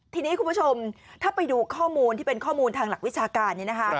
ทีนี้คุณผู้ชมถ้าไปดูข้อมูลที่เป็นข้อมูลทางหลักวิชาการนี้นะคะ